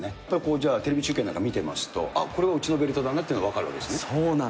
じゃあ、テレビ中継なんか見てますと、あっ、これはうちのベルトだねって分かるわけですね？